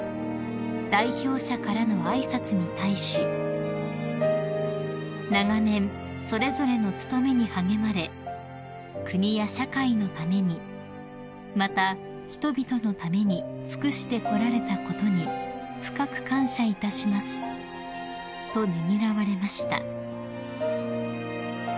［代表者からの挨拶に対し「長年それぞれの務めに励まれ国や社会のためにまた人々のために尽くしてこられたことに深く感謝いたします」とねぎらわれました］